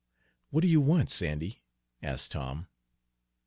"What do you want, Sandy," asked Tom.